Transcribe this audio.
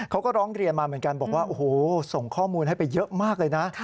เขาก็ร้องเรียนมาเหมือนกันบอกว่าโอ้โหส่งข้อมูลให้ไปเยอะมากเลยนะ